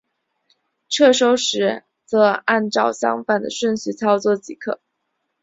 撤收时则按照相反的顺序操作即可。